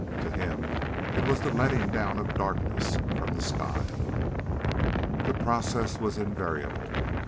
To him it was the letting down of darkness from the sky. The process was invariable.